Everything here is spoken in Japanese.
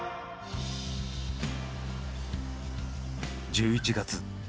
１１月。